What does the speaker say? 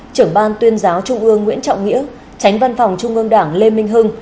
trưởng ban tuyên giáo trung ương nguyễn trọng nghĩa tránh văn phòng trung ương đảng lê minh hưng